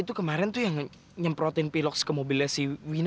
itu kemarin tuh yang nyemprotin piloks ke mobilnya si wina